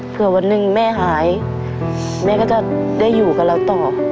เพื่อวันหนึ่งแม่หายแม่ก็จะได้อยู่กับเราต่อ